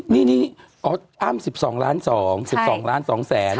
นี่นี่อ๋ออ้ามสิบสองล้านสองสิบสองล้านสองแสน